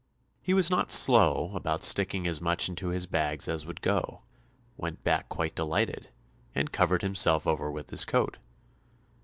He was not slow about sticking as much into his bags as would go, went back quite delighted, and covered himself over with his coat.